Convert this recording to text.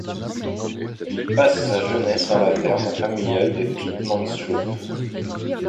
Il passe sa jeunesse dans la ferme familiale de Keetmanshoop.